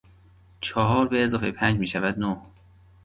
چهار به اضافهی پنج میشود نه.